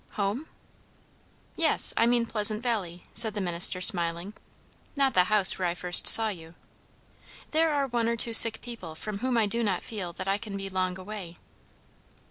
"Home?" "Yes. I mean Pleasant Valley," said the minister, smiling. "Not the house where I first saw you. There are one or two sick people, from whom I do not feel that I can be long away."